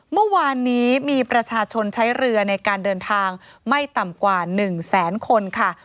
เมื่อวานนี้มีประชาชนใช้เรือในการเดินทางไม่ต่ำกว่า๑แสนคนค่ะ